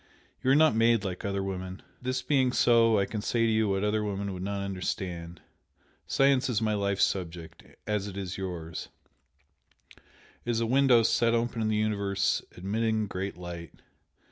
You are not made like other women. This being so I can say to you what other women would not understand. Science is my life subject, as it is yours, it is a window set open in the universe admitting great light.